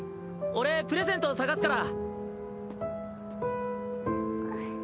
俺プレゼント探すから。